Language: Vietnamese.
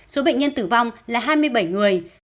số bệnh nhân tử vong là hai mươi bảy người